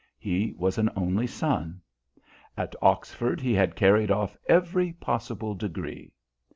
He was an only son. At Oxford he had carried off every possible degree.